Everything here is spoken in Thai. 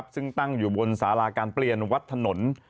ซึ่งตั้งอยู่บนสาราการเปลี่ยนวัดถนน